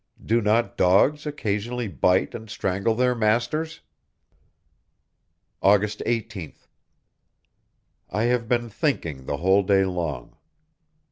Do not dogs occasionally bite and strangle their masters? August 18th. I have been thinking the whole day long.